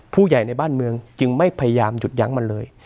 ผู้ใหญ่ในบ้านเมืองจึงไม่พยายามหยุดยั้งมันเลย